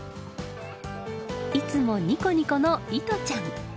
いつもにこにこのいとちゃん。